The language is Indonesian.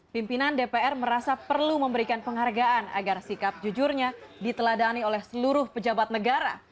pimpinan dpr merasa perlu memberikan penghargaan agar sikap jujurnya diteladani oleh seluruh pejabat negara